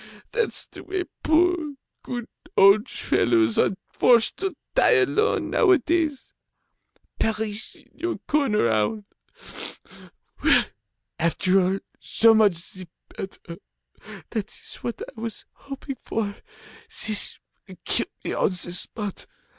That's the way poor, good old fellows are forced to die alone, nowadays. Perish in your corner, owl! Well, after all, so much the better, that is what I was hoping for, this will kill me on the spot.